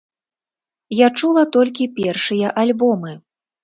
Я чула толькі першыя альбомы.